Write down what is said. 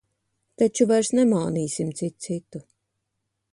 Taču vairs nemānīsim cits citu.